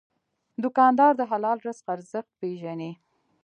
دوکاندار د حلال رزق ارزښت پېژني.